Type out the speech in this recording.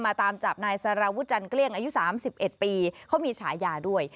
ตามจับนายสารวุจันเกลี้ยงอายุ๓๑ปีเขามีฉายาด้วย